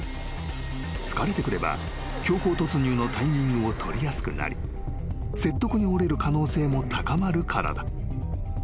［疲れてくれば強行突入のタイミングを取りやすくなり説得に折れる可能性も高まるからだ］